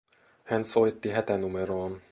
Hän soitti hätänumeroon